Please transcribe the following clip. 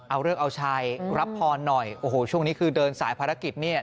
เอาเลิกเอาชัยรับพรหน่อยโอ้โหช่วงนี้คือเดินสายภารกิจเนี่ย